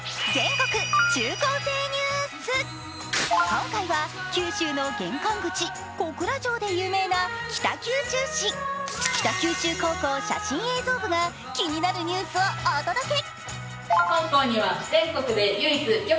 今回は九州の玄関口・小倉城で有名な北九州市、北九州高校写真映像部が気になるニュースをお届け。